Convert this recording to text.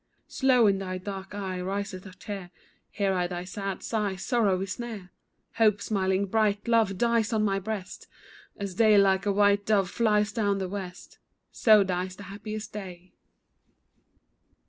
Slow in thy dark eye riseth a tear, Hear I thy sad sigh, Sorrow is near; Hope smiling bright, love, dies on my breast, As day like a white dove flies down the west; So dies the happiest day.